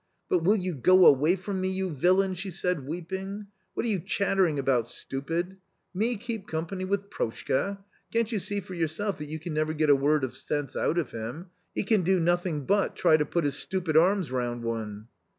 " But will you go away from me, you villain ?" she said, weeping. " What are you chattering about, stupid ? Me keep company with Proshka ! Can't you see for yourself that you can never get a word of sense out of him ? He can do nothing but try to put his stupid arms round one."